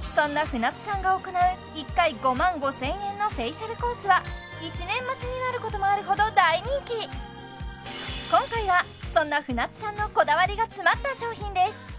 そんな舟津さんが行う１回５万５０００円のフェイシャルコースは１年待ちになることもあるほど大人気今回はそんな舟津さんのこだわりが詰まった商品です